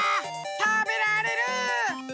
たべられる！